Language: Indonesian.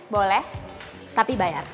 boleh tapi bayar